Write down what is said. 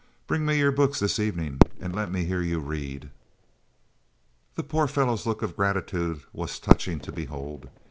Bring me your books this evening and let me hear you read." The poor fellow's look of gratitude was touching to behold.